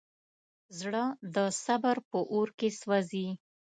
زړه د صبر په اور کې سوځي.